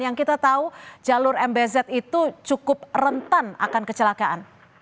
yang kita tahu jalur mbz itu cukup rentan akan kecelakaan